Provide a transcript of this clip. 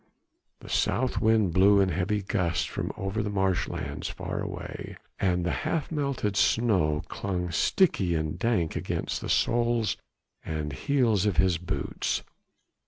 The south wind blew in heavy gusts from over the marshlands far away, and the half melted snow clung sticky and dank against the soles and heels of his boots.